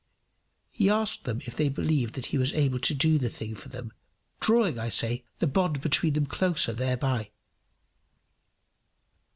He asked them if they believed that he was able to do the thing for them, drawing, I say, the bond between them closer thereby.